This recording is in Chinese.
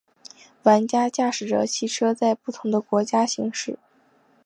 玩家驾驶着汽车在不同的国家行驶。